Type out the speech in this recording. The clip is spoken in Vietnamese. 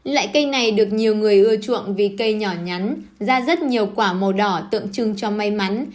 loại cây này được nhiều người ưa chuộng vì cây nhỏ nhắn ra rất nhiều quả màu đỏ tượng trưng cho may mắn